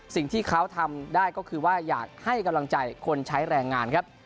สิ่งที่เขาทำได้ก็คือว่าอยากให้กำลังใจคนใช้แรงงานครับ